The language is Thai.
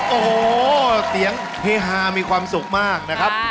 โอ้โหเสียงเฮฮามีความสุขมากนะครับ